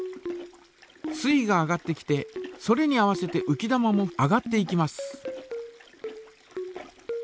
水位が上がってきてそれに合わせてうき玉も上がっていきます。